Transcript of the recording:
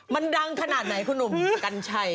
มันดังขนาดไหนคุณหนุ่มกัญชัย